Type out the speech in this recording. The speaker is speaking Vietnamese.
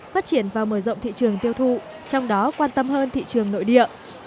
phát triển và mở rộng thị trường tiêu thụ trong đó quan tâm hơn thị trường nội địa